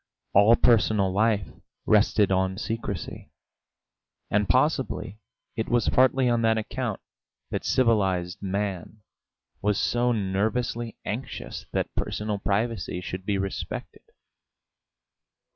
All personal life rested on secrecy, and possibly it was partly on that account that civilised man was so nervously anxious that personal privacy should be respected.